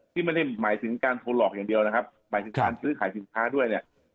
ที่ไม่ได้หมายถึงการโทรหลอกอย่างเดียวนะครับหมายถึงการซื้อขายสินค้าด้วยเนี่ย